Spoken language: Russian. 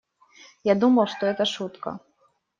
Я думал, что это шутка.